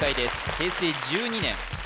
平成１２年